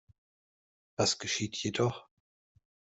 Was geschieht jedoch?